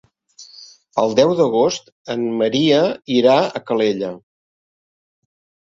El deu d'agost en Maria irà a Calella.